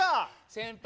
先輩